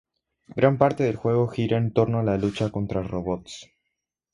Gran parte del juego gira en torno a la lucha contra robots.